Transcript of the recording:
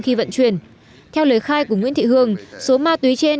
khi vận chuyển theo lời khai của nguyễn thị hương số ma túy trên